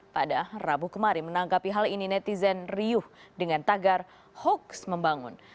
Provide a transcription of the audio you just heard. pada rabu kemarin menanggapi hal ini netizen riuh dengan tagar hoax membangun